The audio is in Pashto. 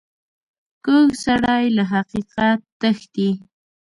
کوږ سړی له حقیقت تښتي